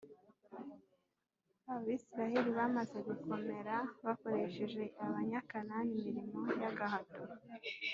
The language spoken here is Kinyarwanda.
Abisirayeli bamaze gukomera, bakoresheje Abanyakanani imirimo y’agahato,